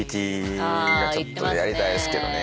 ちょっとやりたいですけどね。